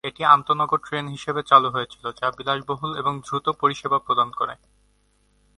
এটি আন্তঃনগর ট্রেন হিসাবে চালু হয়েছিল যা বিলাসবহুল এবং দ্রুত পরিষেবা প্রদান করে।